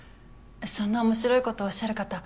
そんな面白いことをおっしゃる方